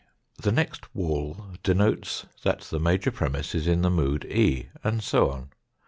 The next wall denotes that the major premiss is in the mood E, and so on.